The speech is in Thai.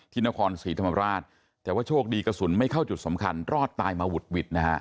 นครศรีธรรมราชแต่ว่าโชคดีกระสุนไม่เข้าจุดสำคัญรอดตายมาหุดหวิดนะฮะ